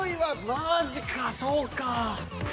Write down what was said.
マジかそうか。